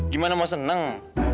gimana mau seneng